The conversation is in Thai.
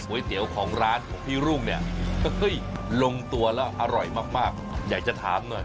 เตี๋ยวของร้านของพี่รุ่งเนี่ยก็เฮ้ยลงตัวแล้วอร่อยมากอยากจะถามหน่อย